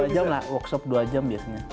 dua jam lah workshop dua jam biasanya